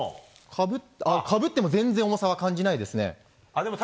かぶっても全然重さを感じないですね。